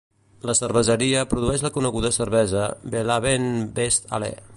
La cerveseria produeix la coneguda cervesa Belhaven Best ale.